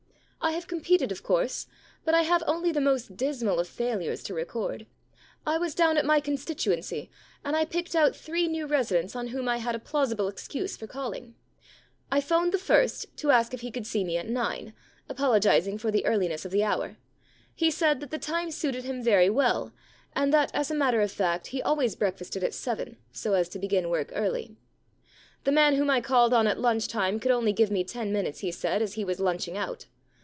* I have competed, of course. But I have only the most dismal of failures to record. I was down at my constituency, and I picked out three new residents on whom I had a plausible excuse for calling. I 'phoned the first to ask if he could see me at nine, apologising 52 The Free Meal Problem for the earliness of the hour. He said that the time suited him very well, and that, as a matter of fact, he always breakfasted at seven, so as to begin work early. The man whom I called on at lunch time could only give me ten minutes, he said, as he was lunch ing out.